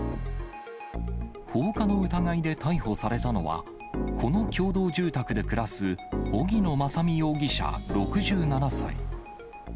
放火の疑いで逮捕されたのは、この共同住宅で暮らす荻野正美容疑者６７歳。